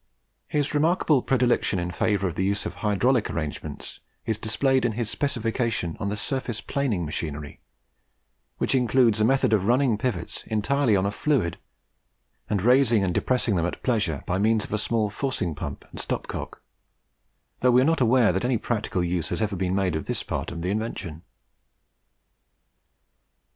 His remarkable predilection in favour of the use of hydraulic arrangements is displayed in his specification of the surface planing machinery, which includes a method of running pivots entirely on a fluid, and raising and depressing them at pleasure by means of a small forcing pump and stop cock, though we are not aware that any practical use has ever been made of this part of the invention.